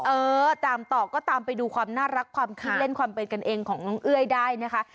เออตามต่อก็ตามไปดูความน่ารักความคิดเล่นความเป็นกันเองของน้องเอ้ยได้นะคะ